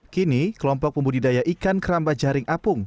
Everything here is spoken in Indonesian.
kini kelompok pembudidaya ikan keramba jaring apung